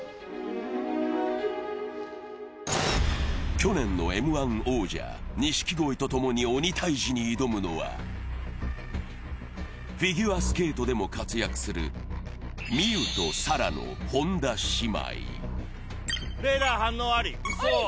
去年のＭ−１王者、錦鯉とともに鬼タイジに臨むのはフィギュアスケートでも活躍する望結と紗来の本田姉妹。